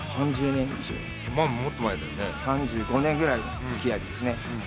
３５年ぐらいの付き合いですね。